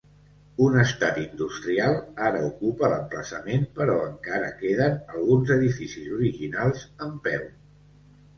Un estat industrial ara ocupa l"emplaçament però encara queden alguns edificis originals en peu.